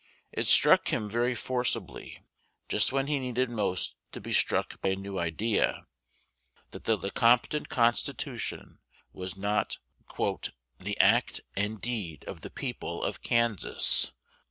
It struck him very forcibly, just when he needed most to be struck by a new idea, that the Lecompton Constitution was not "the act and deed of the people of Kansas."